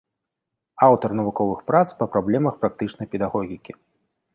Аўтар навуковых прац па праблемах практычнай педагогікі.